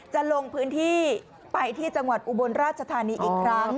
จะลงพื้นที่ไปที่จังหวัดอุบลราชธานีอีกครั้ง